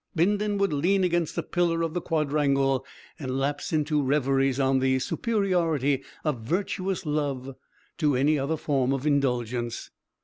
Bindon would lean against a pillar of the quadrangle and lapse into reveries on the superiority of virtuous love to any other form of indulgence.